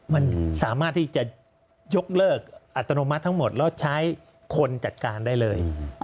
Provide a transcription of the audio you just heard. มันสามารถที่จะยกเลิกอัตโนมัติทั้งหมดแล้วใช้คนจัดการได้เลย